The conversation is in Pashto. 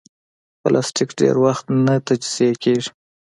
پلاستيک ډېر وخت نه تجزیه کېږي.